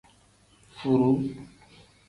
Furuu.